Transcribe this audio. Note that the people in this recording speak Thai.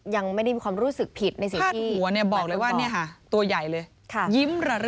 ยังไม่ได้มีความรู้สึกผิดในสิทธิ์